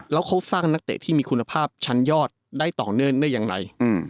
แล้วเขาสร้างนักเตะที่มีคุณภาพชั้นยอดได้ต่อเนื่องได้อย่างไร